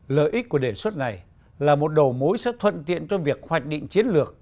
lợi ích của đề xuất này là một đầu mối sẽ thuận tiện cho việc hoạch định chiến lược